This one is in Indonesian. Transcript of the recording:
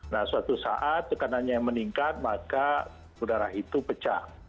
nah suatu saat tekanannya meningkat maka udara itu pecah